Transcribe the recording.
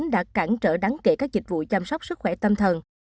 đã cản trở đáng kể các dịch vụ chăm sóc sức khỏe tâm thần